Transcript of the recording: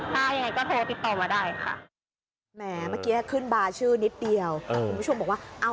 อ๋อแสดงว่ามีคนมาแซวอะไรอยู่เลยก่อนใช่ค่ะ